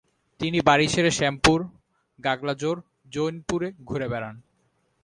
তিনি বাড়ি ছেড়ে শ্যামপুর, গাগলাজোর, জৈনপুরে ঘুরে বেড়ান।